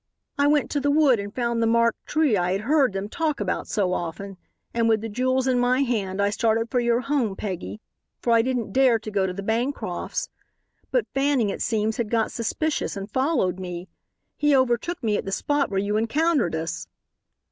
"I went to the wood and found the marked tree I had heard them talk about so often and with the jewels in my hand I started for your home, Peggy, for I didn't dare to go to the Bancrofts'. But Fanning, it seems, had got suspicious, and followed me. He overtook me at the spot where you encountered us."